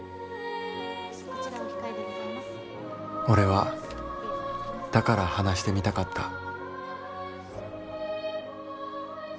「俺はだから話してみたかった」。